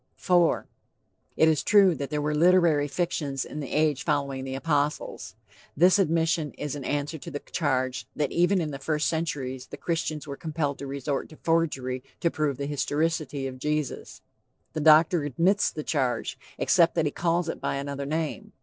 IV. "It is true that there were literary fictions in the age following the apostles." This admission is in answer to the charge that even in the first centuries the Christians were compelled to resort to forgery to prove the historicity of Jesus. The doctor admits the charge, except that he calls it by another name.